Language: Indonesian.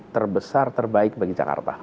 terbesar terbaik bagi jakarta